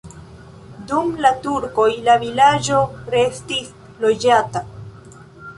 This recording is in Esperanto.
Dum la turkoj la vilaĝo restis loĝata.